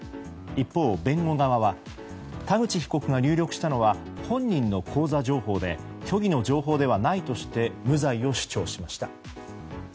一方、弁護側は田口被告が入力したのは本人の口座情報で虚偽の情報ではないとして無罪を主張しました。